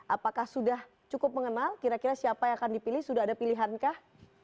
apakah sudah cukup mengenal kira kira siapa yang akan dipilih sudah ada pilihankah